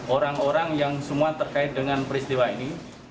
orang orang yang semua terkait dengan peristiwa ini